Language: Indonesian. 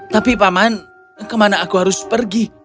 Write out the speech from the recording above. tapi paman kemana aku harus pergi